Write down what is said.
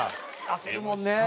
焦るもんね。